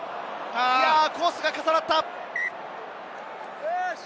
コースが重なった。